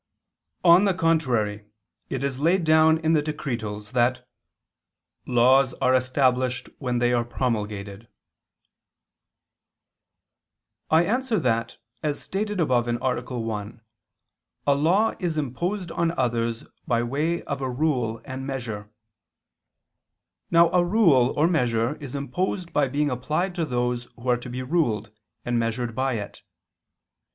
On the contrary, It is laid down in the Decretals, dist. 4, that "laws are established when they are promulgated." I answer that, As stated above (A. 1), a law is imposed on others by way of a rule and measure. Now a rule or measure is imposed by being applied to those who are to be ruled and measured by it.